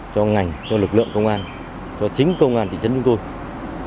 cho ngành cho lực lượng công an cho chính công an thị trấn chúng tôi